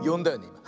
いま。